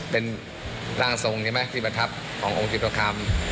เป็นร่างทรงใช่ไหมที่ประทับขององค์ที่ประคาม